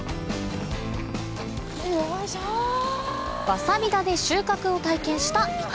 わさび田で収穫を体験したい